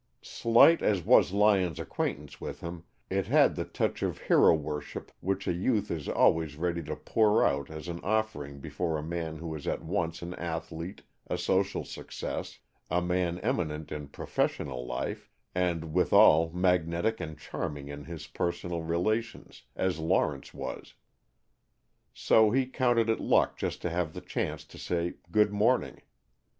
Slight as was Lyon's acquaintance with him, it had the touch of hero worship which a youth is always ready to pour out as an offering before a man who is at once an athlete, a social success, a man eminent in professional life, and withal magnetic and charming in his personal relations, as Lawrence was. So he counted it luck just to have the chance to say "Good morning."